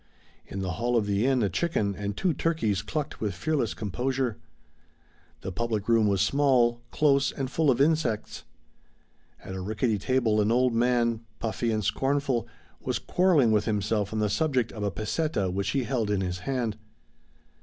In the hall of the inn a chicken and two turkeys clucked with fearless composure. The public room was small, close and full of insects. At a rickety table an old man, puffy and scornful, was quarreling with himself on the subject of a peseta which he held in his hand.